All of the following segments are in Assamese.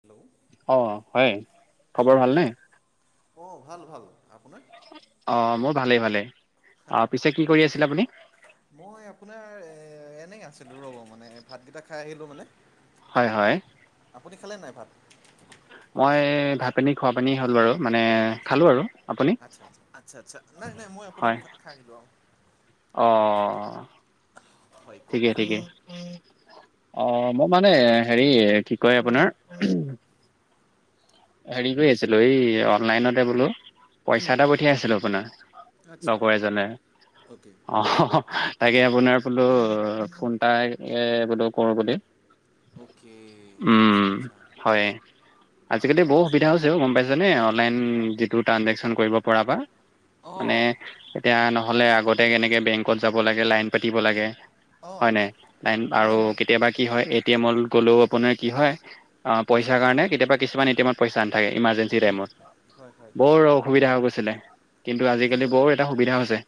হেল্ল' অ', হয়, খবৰ হয় ভালনে? অঁ ভাল, ভাল, আপোনাৰ? অ', মোৰ ভালেই, ভালেই। অ', পিছে কি কৰি আছিলে আপুনি? এনে আছিলো ৰ'ব মানে ভাতকেইটা খাই আহিলো মানে। হয়, হয়। আপুনি খালে নে নাই ভাত? মই ভাত-পানী খোৱা পানী হ'ল বাৰু মানে আচ্ছা খালো আৰু। আপুনি আচ্ছা, আচ্ছা, আচ্ছা, আচ্ছা, নাই, নাই মই আপোনাৰ হয় খাই আহিলো। অ', হয় কওক ঠিকে-ঠিকে। অ', মই মানে হেৰি কি কয় আপোনাৰ হেৰি কৰি আছিলো এই অনলাইনতে বোলো উম পইচা এটা পঠিয়াইছিল আপোনাক আচ্ছা লগৰ এজনে, অ'কে অ'। তাকে আপোনাৰ বোলো ফোন টাই এ বোলো কৰোঁ বুলি। অ'কে, আচ্ছা, উম আচ্ছা। ঠিকে বহুত আছে সুবিধা হৈছে ও গম পাইছ নে, অনলাইন যিটো ট্ৰানজেকচন কৰিব পৰাৰ পৰা। অ মানে এতিয়া নহ'লে আগতে কেনেকে বেংকত যাব লাগে, লাইন পাতিব লাগে। অঁ হয় নে নাই? আৰু হয় হয় কেতিয়াবা কি হয় এটি, এম, ত গ'লেও আপোনাৰ কি হয় অ', পইচা পইচাৰ কাৰণে নাথাকে কেতিয়াবা কিছুমান উম, এটি, এম, ত পইচা নাথাকে, ইমাৰজেঞ্চি উম, টাইমত। হয় হয় বৰ অসুবিধা হৈ গৈছিলে, কিন্তু তাকে আজিকালি অ বৰ এটা সুবিধা হৈছে।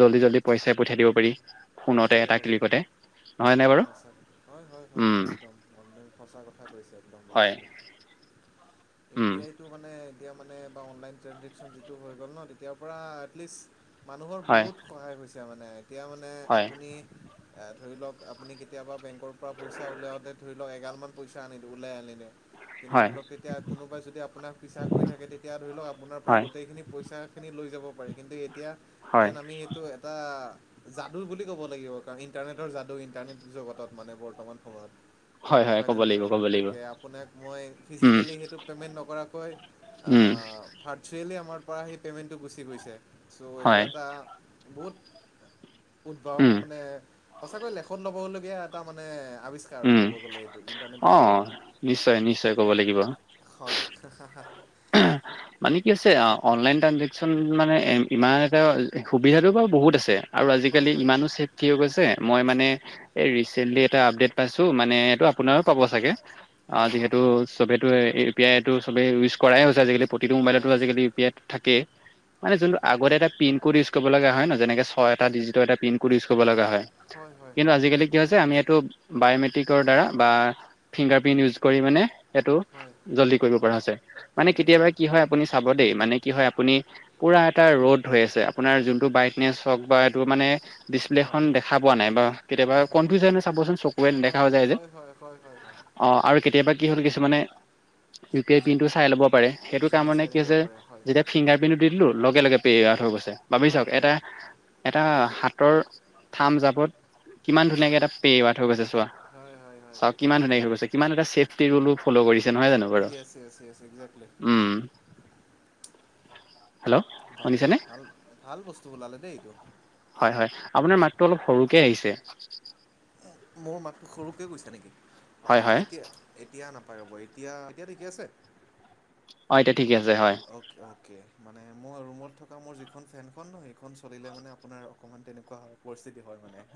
জল্দি-জল্দি পইচাই পঠিয়াই দিব পাৰি ফোনতে এটা ক্লিকতে। নহয় নে বাৰু সঁচাকে। হয়, হয়, হয় উম একদম, একদম সঁচা কথা কৈছে একদম মানে হয় [inaudible] ইউ, উম পি, আইটো মানে তেতিয়া মানে বা অনলাইন ট্ৰাঞ্জেকশ্যন যিটো হৈ গ'ল ন' তেতিয়াৰ পৰা এটলিষ্ট মানুহৰ হয় বহুত সহায় হৈছে মানে এতিয়া মানে হয় আপুনি ধৰি লওক আপুনি কেতিয়াবা বেংকৰ পৰা পইছা উলিয়াওতে ধৰি লওক এগাল মান পইছা উলিয়াই আনিলে। কিন্তু ধৰি হয় লওক তেতিয়া কোনোবাই যদি আপোনাক পিছা কৰি থাকে তেতিয়া ধৰি লও আপোনাৰ পৰা হয় গোটেইখিনি পইচা খিনি লৈ যাব পাৰি কিন্তু এতিয়া হয় যেন আমি সেইটো এটা যাদু বুলি ক'ব লাগিব, কাৰণ ইণ্টাৰনেটৰ যাদু ইণ্টাৰনেট জগতত মানে বৰ্তমান সময়ত। হয় হয় হয়নে ক'ব লাগিব নহয় ক'ব লাগিব গতিকে আপোনাক মই উম ফিজিকেলি সেইটো পে'মেণ্ট নকৰাকৈ অ উম ভাৰ্চুৱেলি আমাৰ পৰা সেই পেমেণ্টটো গুচি গৈছে চ' এইটো হয় এটা বহুত। উদ্ভৱ উম মানে সঁচাকৈ লেখন লবলগীয়া এটা মানে আৱিষ্কাৰ আৰু উম ক'ব গ'লে এইটো ইণ্টাৰনেটৰ অ জগতত নিশ্চয় নিশ্চয় ক'ব লাগিব? হয়। [unintelligible] মানে কি আছে, আ, অনলাইন ট্ৰাঞ্জেকচন মানে, ইমান এটা সুবিধাটো বাৰু বহুত আছে। আৰু হয় আজিকালি হয় ইমানো চছেফটি হৈ গৈছে মই মানে এই ৰিচেণ্টলি এটা আপডেট পাইছো মানে এইটো আপোনাৰো পাব চাগে। অ হয় হয় যিহেতু চবেতো এ পি আইতটো চবে ইউজ কৰাই হৈছে আজিকালি। প্ৰতিটো কৰাই মোবাইলতো হৈছে আজালি ইউ পি আই থাকে মানে হয় যোনটো আগতে এটা। কোড ইউজ কৰিব লগা হয় ন' যেনেক ছয় এটা ডিজিট এটা পিন কোড ইউজ কৰিব লগা হয়। হয় কিন্তু হয় আজিকালি কি হৈছে আমি এইটো বায়মেট্ৰিকৰ দ্বাৰা বা ফিংগাৰ প্ৰিন্ট ইউজ কৰি মানে সেইটো হয় জল্দি কৰিব পৰা হৈছে মানে জল্দি কৰিব কেতিয়াবা কি হয় আপুনি চাব দেই। মানে কি হয় আপ পুৰা এ ৰ'দ আছে আপোনাৰ যোন ব হ বাটো মানে হয় ডিচপ্লেখন হয় দেখা পোৱা নাই বা কেতিয়াবা দেখা পোৱা কনফিউজনে চাবচোন চকুুৱে হয় নেদেখা হৈ হয় যায় যে। হয় হয় হয় হয় হয় অ আৰু কেতিয়াবা কি হ'ল কিছু মানে ইউ পি আই প্ৰিন টো চাই লব পাৰে সেইটো জুমি কাৰণে চাই কি থাকিব হৈছে পাৰে হয় যেতিয়া ফিংগাৰ প্ৰিন্টটো দি দিলো। লগে লগে পেৱ থ হৈ গৈছে বাবি হয় চাওক হয় এটা হয় এটাত। ৰ থাম জাবত কিমান ধুনীয়াকে এটা পেৱা থৈ গৈছে। হয় হয় হয় চাওঁ তাকে কিমান তাকে ধুনীয়া হৈছে, কিমান এটা ছেফটি ৰুলো ফ'ল' কৰিছ শুই আছে আছে আছে। উম হেল্ল' বা শুনিছেনে ভাল ভাল বস্তু ওলালে দেই এইটো। হয় হয় আপোনাৰ মাতটো অলপ সৰুকে আহিছে। মোৰ মাতটো সৰুকৈ গৈছে নেকি হয় হয় অঁ। পাৰ'ব এতিয়া এতিয়া ঠিকে আছে। অ এতিয়া ঠিকে আছে হয় অ'কে অ'কে। মানে মই ৰুমত থকা মোৰ যিখন ফেনখন ন সেইখন চলিলে মানে আপোনাৰ অকণমান তেনেকুৱা হয় পৰিস্থিতি হয় মানে।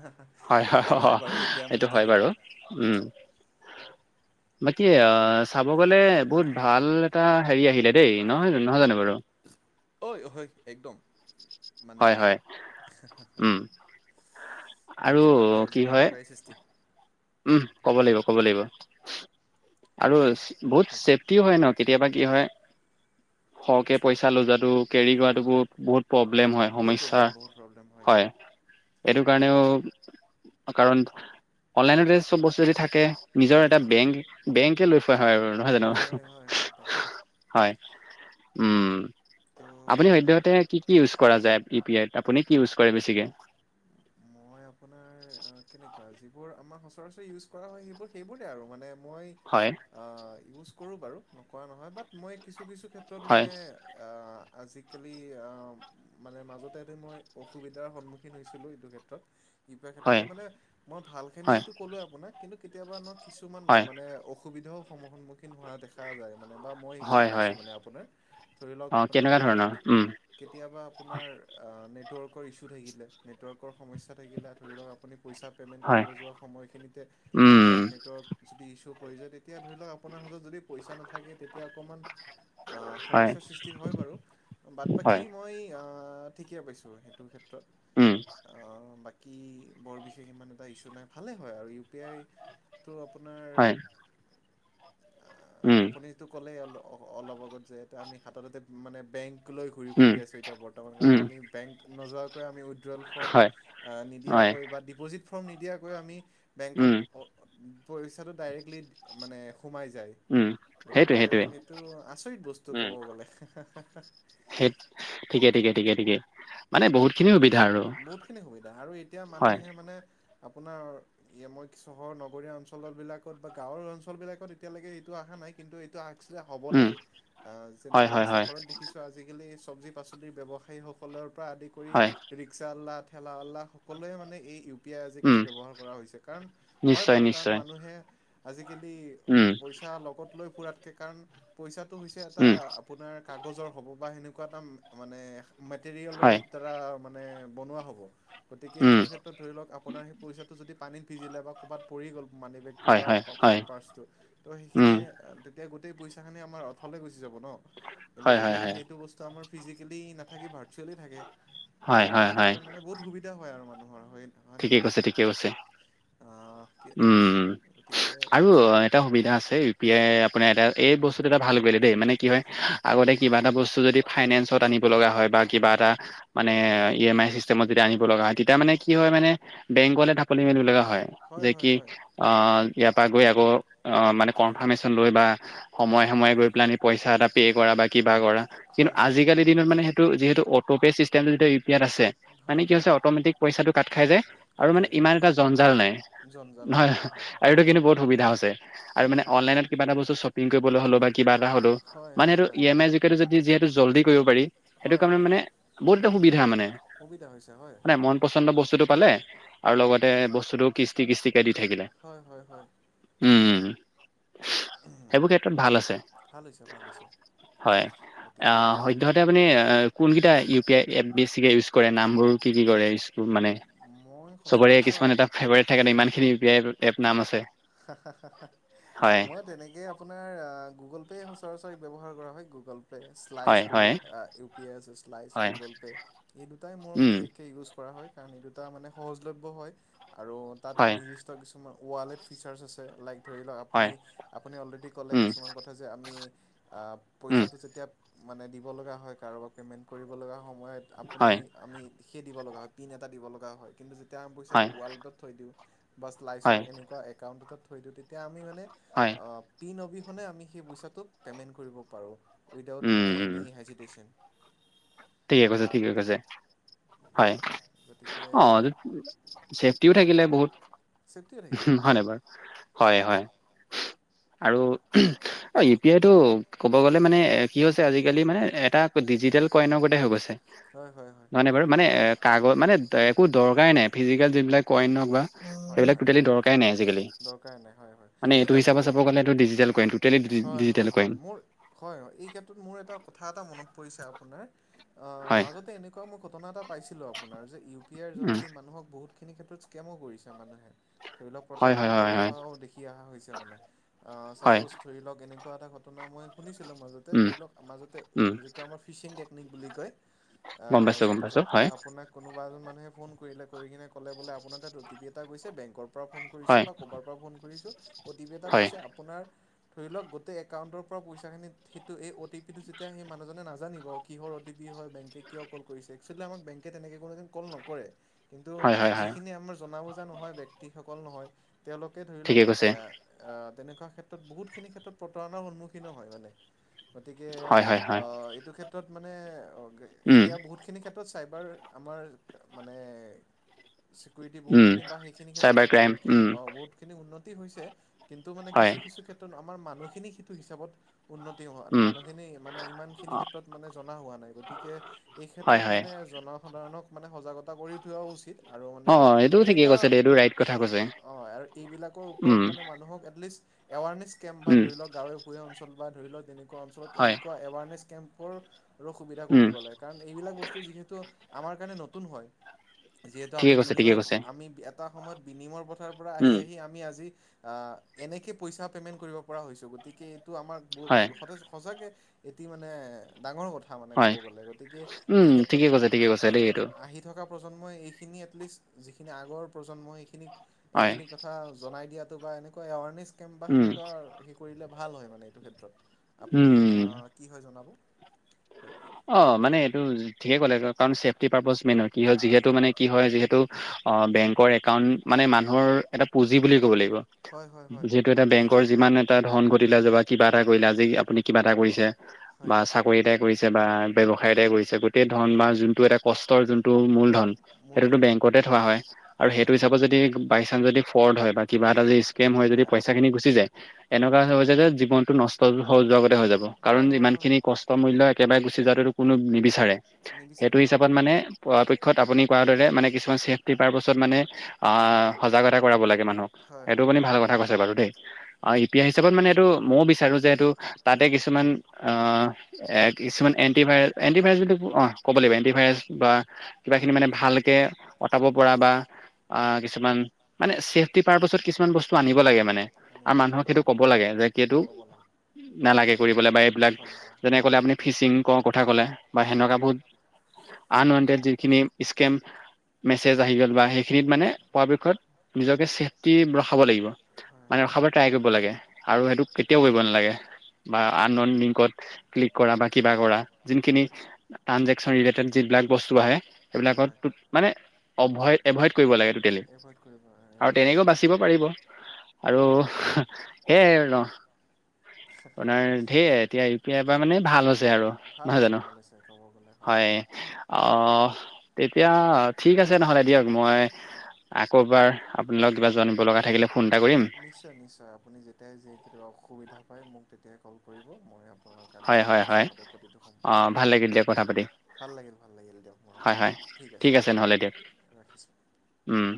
হয় একো নাই হয় বাৰু এতিয়া মানে সেইটো হয় ঠিকে পাব বাৰু উম। বাকী চাব গলে বহুত ভাল এটা হেৰি আহিলে দেই নহয় জানো নহয় জানো বাৰু? ঐ অহঐ একদম মানে। হয় হয় উম এক আৰু যুগান্ত কি হয় যুগান্তকাৰী সৃষ্টি। উম, ক'ব লাগিব, ক'ব লাগিব আৰু হুম বহুত হয় ছেফটিও হয় ন' কি কেতিয়াবা কি হয় সৰহকে পইচা লৈ যোৱাটো কেৰি কৰাটো বহুত বহুত প্ৰব্লেম হয় বহুত সমস্যা প্ৰব্লেম বহুত প্ৰব্লেম হয় এইটো কাৰণেও কাৰণ অনলাইনতে চব বস্তু যদি থাকে। নিজৰ উম, এটা বেংক বেংকে লৈ ফোৱা হয় আৰু নহয় জানো হয় হয় হয় হয় তাকে হয়। উম তো আপুনি ভাল সদ্যয়হতে কি কি ইউজ কৰা যায় ই পি এত আপুনি? কি ইউজ কৰে বেছিকে? মই আপোনাৰ কেনেকুৱা যিবোৰ আমাৰ সচৰাচৰ ইউজ কৰা হয় সেইবোৰ সেইবোৰে আৰু মানে মই হয় অ ইউচ কৰোঁ বাৰু নকৰা নহয় বাত মই কিছু কিছু ক্ষেত্ৰত হয় মানে আজিকালি অ', মানে মাজতে মই অসুবিধাৰ সন্মুখীন হৈছিলোঁ এইটো ক্ষেত্ৰত। এনেকুৱা হয় ক্ষেত্ৰতে মানে মই ভাল খিনি হয় ক'লোৱে আপোনাক কিন্তু কেতিয়াবা নক কিছুমান হয় মানে অসুবিধাও সম সন্মুখীন হোৱা দেখা যায়। মানে বা মই সেইখিনি হয় পাইছো হয় মানে আপোনাৰ, ধৰি লওক অ মানে কেনেকুৱা ধৰণৰ উম কেতিয়াবা আপোনাৰ নেটৱৰ্কৰ ইছু থাকিলে নেটৱৰ্কৰ সমস্যা থাকিলে ধৰি লওক আপুনি পইচা পে'মেণ্ট হয় কৰিব যোৱা সময়খিনিতে ধৰি উম লওক নেটৱৰ্ক যদি ইছ্যু পৰি যায় তেতিয়া ধৰি লওক আপোনাৰ হাতত যদি পইচা নাথাকে তেতিয়া অকণমান আহ হয় সমস্যাৰ সৃষ্টি হয় বাৰু বাদ হয় বাকী মই ঠিকেই পাইছো সেইটো ক্ষেত্ৰত উম। বৰ বিশেষ ইমান এটা ইছু নাই, ভালে হয় আৰু ই পি আই তটো আপোনাৰ হয়। উম আপুনিটো ক'লে অলপ আগত যে আমি হাত বেংক লৈ ঘুৰি ফুৰি উম আছো এতিয়া বৰ্তমান কাৰণ উম আমি বেংক নোৱাকৈ আমি উইড্ৰেল ফৰ্ম হয় হয় নিদিয়াকৈ বা ডিপ'জিট ফৰ্ম নিদিয়াকৈ আমি বেংকত উম পৰীক্ষাটো ডাইৰেক্টলি মানে সোমাই যায়, উম সেইটোৱে গতিকে সেইটোৱে সেইটো আচৰিত বস্তু উম ক'ব গ'লে। সেই ঠিকে-ঠিকে-ঠিকে-ঠিকে, মানে বহুত খিনিু বহুত খিনি সুবিধা, আৰু এতিয়া মানুহে মানে আপোনাৰ মই চহৰ নগৰীয়া অঞ্চল বিলাকত বা গাঁৱৰ অঞ্চল বিলাকত এতিয়ালৈকে এইটো আশা কিন্তু এই আ হব উম লাগে হয় যেনেকে মই হয় হয় চহৰত দেখিছো আজিকালি চব্জি পাচলিৰ ব্যৱসায়ীসকলৰ পৰা আদি হয় কৰি লাহল্লাহ সকলোৱে মানে ই [unintelligible] উ পি আই আজিকালি উম ব্যৱহাৰ কৰা হৈছে কাৰণ হয় নিশ্চয় বাৰু কাৰণ নিশ্চয় মানুহে আজিকি উম পইচা লগত লৈ ফুৰাতকৈ কাৰণ পইচা [unintelligible] টো হৈছে এটা উম আপোনাৰ কাগজৰ হ'ব বা সেনেকুৱা এটা মানে মেটেৰিয়েলৰ হয় দ্বাৰা মানে বনোৱা হ'ব গতিকে উম সেইটো ক্ষেত্ৰত ধৰি লওকপাৰ সেইইচাটো যদি পানী ভিজিলে বা ক'ৰবাত পৰি গ'ল মানি বেগটো হয় বা হয় হয় আপোনাৰ পাৰ্চটো ত' সেইখিনি উম এতিয়া গোটেই পইচা খিনি আমাৰ অথলে গুচি যাব ন, কিন্তু হয় যদি হয় হয় সেইটো বস্তু আমাৰ ফিজিকেলি নাথাকি ভাৰ্চুৱেলি থাকে হয় গতিকে হয় হয় তেনেক্ষেত্ৰত মানে বহুত সুবিধা হয় আৰু মানুহৰ হয় হয়নে ঠিকে নহয় কৈছে-ঠিকে কৈছে। আহ, উম গতিকে আৰু এটা সুবিধা আছে ই পি আই আপোনাৰ এটা এই বস্তুত এটা ভাল কৰিলে মানে কি হয়, আগতে কিবা এটা বস্তু যদি ফাইনেন্সত আনিব লগা হয় বা কিবা এটা মানে হয় ই এম আই চিষ্টেমত যেদি আনিব লগা হয় তেতিয়া মানে কি হয় মানে বেংকলে ঢাপলি মেলিব লগা হয়। হয়, যে হয় কি হয় অ' ইয়াৰ পৰা গৈ আকৌ অ' মানে কনফাৰ্মেশচন লৈ বা, সময়ে-সময়ে গৈ পেলাই পইচা এটা পে' কৰা কিবা কিু হয় হয় আজাল দিনত মান সটো যি অ [unintelligible] ইয়াত আছে, মানে হয় কি হয় হৈছে অটমেটিক পইচাটো কাট খাই যায়, আৰু কাট মানে খাই যায় ইমান এটা জঞ্জাল নাই। জঞ্জাল নাই হয়, আৰু হয় এইটো হয় কিন্তু বহুত সুবিধা আ হৈছে, আৰু হয় মানে হয় অনলাইনত কিবা এটা বস্তু্বপিং হল বা কিবা এটা হ হয় মানে হয় সটো ই হয় এম আই য যদি যিহেতু জল্দি কৰিব পাৰি সেইটো হয় কাৰণে হয় মানে বহুত এটা সুবিধা মানে সুবিধা হৈছে হয় নাই মন পচন্দ বস্তু ব্তু তো পালে আৰু লগতে [unintelligible] দি থাকিলে, হয় হয় হয় উম-উম। সেইবোৰ ক্ষেত্ৰত ভাল আছে, ভাল হৈছে ভাল হৈছে হয়। গতিকে অ', সদ্যহতে মানে কোন কেইটা উ পি আই ইউজ কৰে নাম বোৰ কি কি কৰে স্ মানে মই চবৰে সচৰাচৰ কিছুমান এটা ফেভৰেট থাকে ইমান খিনি [unintelligible] প নাম আছে [unintelligible] হয় মই তেনেকে আপোনাৰ গুগল পেয় হৈছো [unintelligible] [unintelligible] ব্যৱহাৰ কৰা হয় গুগল পে' শ্লাইচ হয় বুলি হয় ইউ পি আই আছে শ্লাইছ হয় গুগল পে' এই দুটাই মোৰ উম বিশেষকৈ ইউজ হয় [inaudible] [unintelligible] [inaudible] ফিচাৰছ্ আছে লাইক। ধৰি লক আপুনি হয় আপুনি অলৰেডি ক'লে উম কিছুমান কথা যে আমি উম, পইচাটো যেতিয়া মানে দিব লগা হয়, কাৰোব পেমেন্ট কৰিব লগা সময়ত আপুনি হয়, আমি। সেই দিব লগা হয় পিন এটা দিব লগা হয় কিন্তু যেতিয়া হয়, পটো থ দিওঁ বা হয়, শ্লাইচৰ এনেকুৱা একাউট থৈ দিওঁ তেতিয়া আমি মানে হয়, প নে আমি সেই পইচাটোোক পে'মেণ্ট কৰিব পাৰোঁ উইডাউট উম, মানে উম, এনি হেজিটেশ্যন ঠিকে কৈছে। ঠিকে তেতিয়া কৈছে। হয়। গতিকে অ', চেফটিও থাকিলে বহুত ছেফটিয়ে থাকিলে হয় নাই বাৰু হয় হয় আৰু অ' ইউ পি আইতটো ক'ব গ'লে মানে কি হৈছে আজিকালি মানে এটা ডিজিেল কইনৰ গতে হৈ গৈছে হয় হয় হয় ন নাই বাৰু মানে অ' কাগ মানে ত একো দৰকাৰেই নাই ফিজিকেল যিবিলাক কইন বা হয় সেইবিলাক হয় টোটেলি হয় দৰকাৰ নাই আজিকালি। দৰকাৰ নাই হয় হয় মানে এইটো হিচাপে কিন্তু চাব গ'লে ডিজিটৈল কৰিম। টোটেলি হয় ডিজিটেল হয় কইন, হয় মোৰ হয় এই ক্ষেত্ৰত মোৰ এটা কথা এটা মনত পৰিছে আপোনাৰ অ', হয়, মাজতে এনেকুৱা ম ঘটনা এটা পাইছিলো আপোনাৰ যে ইউ পি আইৰ উম, যোগেদি মানুহক বহুত খিনি ক্ষেত্ৰত কৰিছে মানুহে ধৰি লওক হয়, প্ৰতাৰণা হয়, কৰি হয়, হয়, অহাও দেখি অহা হৈছে মানে অ' হয়, চাপজ ধৰি লওক এনেকুৱা এটা ঘট মই শুনিছো ছিল মাজতে উম, ধৰি লওক মাজতে উম, যিটো আমাৰ ফিচিং টেকনিক বুলি কয় গম আহ পাইছোঁ, গম চাপজ পাইছোঁ, হয়, আপোনাক কোনোবা এজন মানুহে ফোন কৰিলে কৰি কিনে কলে বোলে আপোনাৰ ত এই বেং পৰা ফ কৰিছো হয়, বা ক'বাৰ পৰা ফোন কৰিছো অটিি হয়, এটাৈছে আপোনাৰ ধৰি লওক গোটেই একাউণ্টৰ পৰা পইচা খিনিত সেইটো এই অ টিটো যেতিয়া সেই মানুহজনে নাজানিব কিহৰ অটি পি হয়নে কোনো কৰে নকৰে কিন্তু হয়, হয়, হয়। যিখিনি আমাৰ জনা বুজা নহয় ব্যক্তিসকল নহয় তেওঁলোকে ধৰি লওক ঠিকে কৈছে এ তেনেকুৱা ক্ষেত্ৰত বহুতখিনি ক্ষেত্ৰত প্ৰতাৰণাৰ সন্মুখীনো হয় মানে গতিকে হয় হয় হয় অ' এইটো ক্ষেত্ৰত মানে উম এতিয়া বহুতখিনি ক্ষেত্ৰ ত' চাইবাৰ আমাৰ মানে। [unintelligible] দি উম বহুতখিনি বা সেইখিনি ক্ষেত্ৰত চাইবাৰ ক্ৰাইম বহুত খিনি উম অ' বহুতখিনি উন্নতি হৈছে কিন্তু মানে, হয় কিছু কিছু ক্ষেত্ৰত আমাৰ মানুহখিনি সেইটো হিচাপত। উন্নতি হোৱা নাই উম মানুহখিনি মানে ইমান খিনি অ ক্ষেত্ৰত মানে জনা হোৱা নাই গতিকে এই হয় ক্ষেত্ৰত হয় মানে জনসাধাৰণক মানে, সজাগতা কৰি থোৱা উচিত। অ', ঠিকে সেনেকুৱা, কৈছে দে এইটো ৰাইট কথা কৈছে অহ' আৰু এইবিলাকৰ উম ওপৰত মানে মানুহক এলিষ্টট। এৱাৰনেছ কেম্প বা উম ধৰি লওক গাঁৱে ভূঞে অঞ্চল বা ধৰি লওক তেনেকুৱা অঞ্চলত হয় এনেকুৱা এৱাৰনেছ কেম্পৰ ৰ সুবিধা কৰি উম দিব লাগে কাৰণ, এইবিলাক বস্তু যিহেতু, আমাৰ কাৰণে নতুন হয়। যিহেতু ঠিকে আমি কৈছে ঠিকে বিনিময় কৈছে আমি এটা সময়ত বিনিময়ৰ পথাৰ পৰা আহি উম আহি আমি আজি আহ' এনেকে পইচা পেমেন্ট কৰিব পৰা হৈছো। গতিকে, এইটো আমাৰ হয় সতেই সচাগে। এটি মানে, ডাঙৰ কথা। মানে কব হয় গলে গতিকে উম এই ক্ষেত্ৰত ঠিকে কৈছে ঠিকে কৈছে দেই এইটো আহি থকা তন্মই, এইখিনি এটলিষ্ট, যিখিন আগৰ প্ৰজন্ম সেইখিনিক, হয় এইখিনি কথা জনাই দিয়াত। বা এনেকুৱা এৱাৰনেছ কেম্প বা উম সেনেুৱা হে কৰিলে ভাল হয় মানে এইটো ক্ষেত্ৰত আপুনি উম আহ কি হয় জনাব হয় অ', মানে এইটো ঠিকে ক'লে কাৰণ চেফটি পাবজ মেইন কি হয়। যিহেতু মানে কি হয়, যিহেতু অহ, বেংকৰ একাউণ্ট মানে মানুহৰ। এটা প্ৰজি বুলি ক'ব লাগিব। হয় হয় হয় যিহেতু এটা গোটেই বেংকৰ জীৱন যিমান এটা ধন ঘতিলা চবাই। কিবা এটা কৰিলে, আজি আপুনি কিবা এটা কৰিছে। হয় বা চাকৰিটাই কৰিছে বা ব্যৱসায় এটাই কৰিছে। ধন হয় বা যোনটো এটা কষ্টৰ যোনটো মূল ধন সেইটোতো মূলধন বেংকত এ থোৱা হয়। আৰু হয় সেইটো হয় হিচাপত যদি, বাইচাঞ্চ ফ'ৰ্ট হয় বা কিবা এটা যদি স্কেন। যদি হয় পইচা খিনি গুচি যায় হয় এনেকুৱা হৈ হৈছে য যে জীৱনটো নষ্ট স লগতে হৈ যাব কাৰণ হয় হয় ইমান হয় খিনি কষ্ট মূল্য একেবাৰে গুচি যোৱাতো কোন নিবি সেইটো নিবিচাৰে হিচাপত মানে পৰাপক্ষত আপুনি পোৱা দৰে মানে কিছুমানেফি পাৰত মানে আহ সজাগতা কৰাব লাগে মানুহক হয় এইটো হয় আপুনি হয় ভাল কথা কৈছে বাৰু দেই। অ ইউ পি আই হিচাপত মানে এইটো ময়ো বিচাৰোঁ যে এইটো তাতে কিছুমান আ এক কিছুমান এণ্টিভাইৰাছ এণ্টিভাইৰাছ বুলি অ, ' ক'ব লাগিব এণ্টিভাইৰাছ বা কিবাখিনি মানে ভালকে খাব পৰা বা অ কিছুমান মানি পাৰত কিছুমান বস্ত চো আনিব লাগে মানে আনিব আৰু লাগে মানুহক আনিব সেইটো ক'ব লাগে যে কেটো ক'ব লাগে নালাগে কৰিবলৈ বা এইবিলাক হয় হয় যেনে কলে আপুনি ফিচিং কথা ক'লে বা হয় সেনেকুৱা বহুত আনৱানটেড যিখিনি স্কেম মেছেজ আহি গ'ল বা সেইখিনিত মানে পৰাপক্ষত নিজকে ছেফটি ৰখাব লাগিব। হয় মানে ৰখাব ট্ৰাই কৰিব লাগে আৰু হয় সেইটো কেতিয়াও কৰিব নালাগে। বা আননৌন লিংকত ক্লিক কৰা কিবা কৰা যিনখিনি হয় ত্ৰাঞ্জেকচন ৰেলতেড যিবিলাক বস্তু আহে হয় সেইবিলাকত হয় টোত মানে অভ এভইড কৰিব লাগে টুটেলি। এভইড কৰিব আৰু এভইড তেনেকৈ কৰিব বাচিব লাগে পাৰিব আৰু তাকে সেয়াই আৰু ন' আপোনাৰ ধেৰ এতিয়া ইউ পি আই বা মানে ভাল হৈছে আৰু ভাল নহয় হৈছে জানো। ভাল হৈছে ক'ব গ'লে হয় খুব আহ তেতিয়া ঠিক আছে নহলে দিয়ক মই আকৌ এবাৰ আপোনালোক কিবা জানিব লগা থাকিলে ফোন এটা কৰিম নিশ্চয় নিশ্চয় আপুনি যেতিয়াই যে কেতিয়াবা অসুবিধা পায় মোক তেতিয়াই কল কৰিব মই আপ হয়' হয়' হয়' অ', ভাল লাগিল দিয়া কথা পাতি। ভাল লাগিল ভাল লাগিল দিয়ক বোৰ হয় হয় ঠিক আছে দিয়ক ৰাখিছোঁ। উম'।